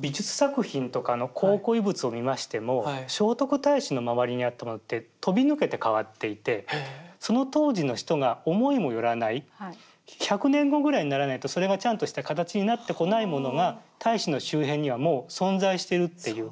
美術作品とかの考古遺物を見ましても聖徳太子の周りにあったものって飛び抜けて変わっていてその当時の人が思いもよらない１００年後ぐらいにならないとそれがちゃんとした形になってこないものが太子の周辺にはもう存在してるっていう